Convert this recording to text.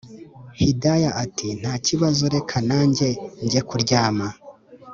hidaya ati”ntakibazo reka najye jye kuryama”